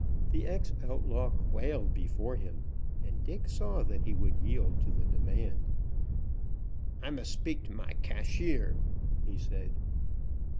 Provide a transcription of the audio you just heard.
This ex outlaw quailed before him, and Dick saw that he would yield to the demand. "I must speak to my cashier," he said.